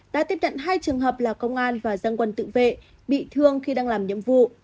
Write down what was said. đã tiếp cận hai trường hợp là công an và dân quân tự vệ bị thương khi đang làm nhiệm vụ